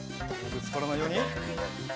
ぶつからないように。